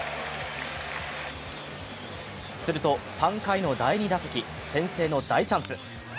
すると３回の第２打席、先制の大チャンス。